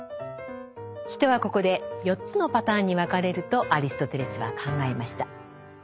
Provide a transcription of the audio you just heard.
人はここで４つのパターンに分かれるとアリストテレスは考えました。